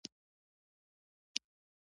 د دې ټولو ستونزو سره سره بیا هم ملت ژوندی دی